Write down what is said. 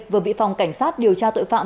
vừa bị phòng cảnh sát điều tra tội phạm